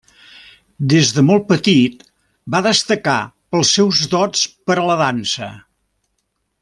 Des de molt petit, va destacar pels seus dots per a la dansa.